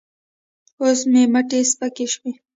اوس مې مټې سپکې شوې.